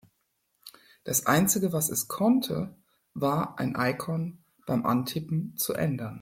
Das einzige, was es konnte, war ein Icon beim Antippen zu ändern.